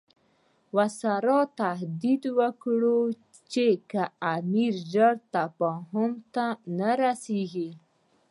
وایسرا تهدید وکړ چې که امیر ژر تفاهم ته نه رسیږي.